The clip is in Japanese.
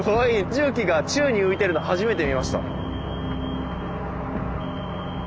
重機が宙に浮いてるの初めて見ました！